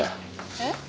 えっ？